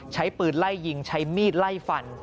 ใช้ปืนไล่ยิงใช้มีดไล่ฟัน